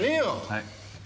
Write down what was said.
はい。